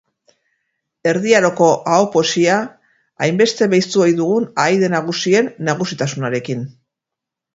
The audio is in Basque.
Erdi Aroko aho poesia, hainbeste belztu ohi dugun Ahaide Nagusien nagusitasunarekin